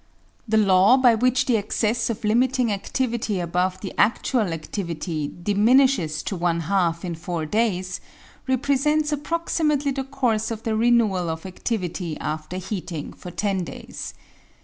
The law by which the excess of limiting adlivity above the adual adlivity diminishes to one half in four days represents approximately the course of the renewal of adlivity after heating for ten days.